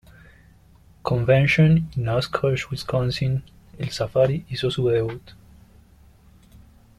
Convention in Oshkosh, Wisconsin, el Safari hizo su debut.